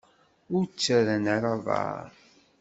Ur ttarran ara aḍar?